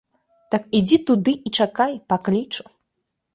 Так ідзі туды і чакай, паклічу.